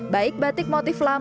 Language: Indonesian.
baik batik motif renggak